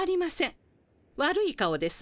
悪い顔です。